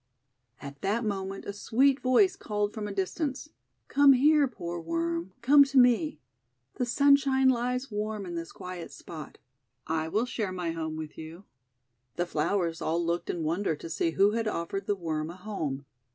At that moment a sweet voice called from a distance :— 'Come here, poor Worm, come to me. The sunshine lies warm in this quiet spot. I will share my home with you." The flowers all looked in wonder to see who had offered the Worm a home.